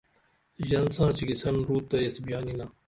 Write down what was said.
ژن ساں چیکیسن روت تہ یس بیان یینا